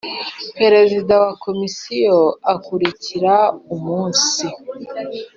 Perezida wa Komisiyo akurikira umunsi